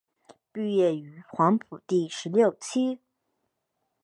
毕业于黄埔第十六期。